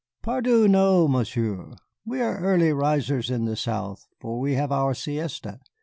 "Pardieu, no, Monsieur, we are early risers in the South for we have our siesta.